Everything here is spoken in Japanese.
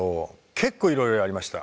結構いろいろやりました。